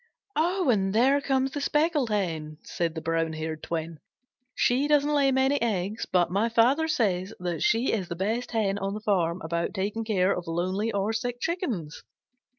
"And there comes the Speckled Hen," said the brown haired twin. "She doesn't lay many eggs, but my Father says that she is the best Hen on the farm about taking care of lonely or sick Chickens.